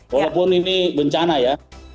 walaupun ini bencana ya